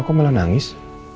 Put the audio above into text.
kok malah nangis